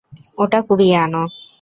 ওটা কুড়িয়ে আনো।